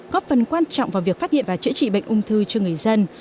góp phần quan trọng vào việc phát hiện và chữa trị bệnh ung thư cho người dân